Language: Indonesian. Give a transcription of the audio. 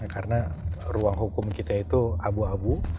karena ruang hukum kita itu abu abu